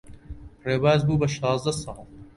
ڕێباز بوو بە شازدە ساڵ.